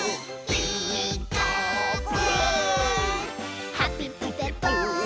「ピーカーブ！」